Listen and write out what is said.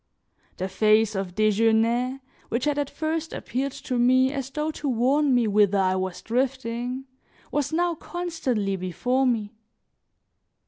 The face of Desgenais which had at first appeared to me, as though to warn me whither I was drifting, was now constantly before me.